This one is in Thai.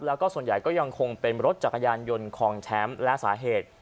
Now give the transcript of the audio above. แล้วก็ส่วนใหญ่ก็ยังคงเป็นรถจักรยานยนต์ของแชมป์และสาเหตุ